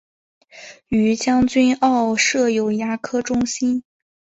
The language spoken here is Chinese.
于将军澳设有牙科中心。